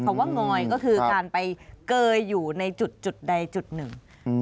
เพราะว่างอยก็คือการไปเกยอยู่ในจุดใดจุดหนึ่ง